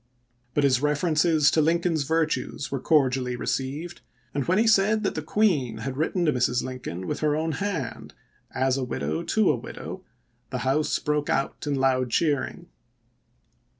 But his references to Lincoln's virtues were cor dially received, and when he said that the Queen had written to Mrs. Lincoln with her own hand, " as a widow to a widow," the House broke out in loud cheering.